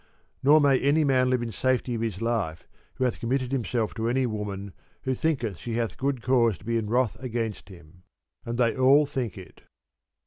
Nor may any man live in safety of his life who hath committed him to any woman who thinketh she hath good cause to be in wrath against him. And they all think it.